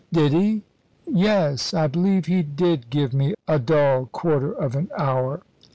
"Did he? Yes! I believe he did give me a dull quarter of an hour.